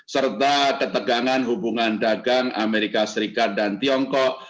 serta ketegangan hubungan dagang amerika serikat dan tiongkok